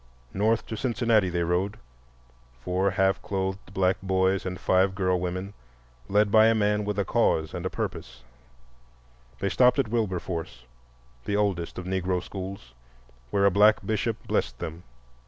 North to Cincinnati they rode,—four half clothed black boys and five girl women,—led by a man with a cause and a purpose. They stopped at Wilberforce, the oldest of Negro schools, where a black bishop blessed them.